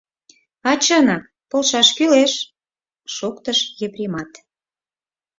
— А чынак, полшаш кӱлеш! — шоктыш Епремат.